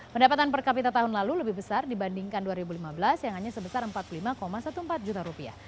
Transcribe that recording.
pendapatan per kapita tahun lalu lebih besar dibandingkan dua ribu lima belas yang hanya sebesar empat puluh lima empat belas juta rupiah